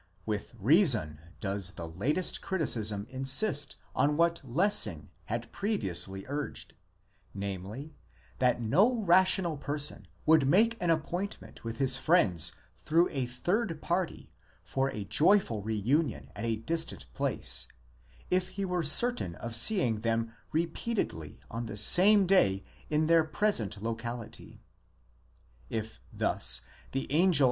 With reason does the latest criticism insist on what Lessing had previously urged ;® namely, that no rational person would make an appointment with his friends through a third party for a joyful reunion at a distant place, if he were certain of seeing 2 Schleiermacher, iiber den Lukas, 5. 299 f. ; Paulus, 5. 910, * Ut sup. s. 486.